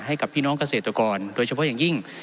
ให้กับพี่น้องเกษตรกรโดยเฉพาะอย่างยิ่ง